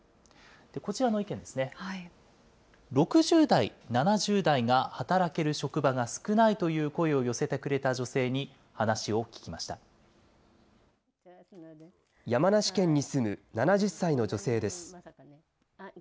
こちらの意見ですね、６０代、７０代が働ける職場が少ないという声を寄せてくれた女性に話を聞山梨県に住む７０歳の女性です。